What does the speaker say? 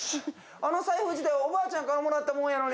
あの財布自体、おばあちゃんからもらったものやのに。